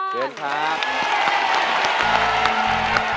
เชิญครับ